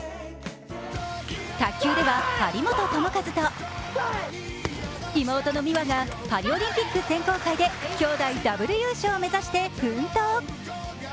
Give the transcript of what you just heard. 卓球では張本智和と妹の美和がパリオリンピック選考会できょうだいダブル優勝を目指して奮闘。